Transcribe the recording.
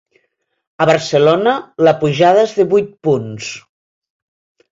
A Barcelona la pujada és de vuit punts.